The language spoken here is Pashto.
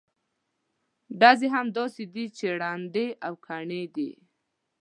ډزې هم داسې دي چې ړندې او کڼې دي.